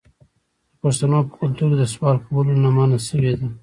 د پښتنو په کلتور کې د سوال کولو نه منع شوې ده.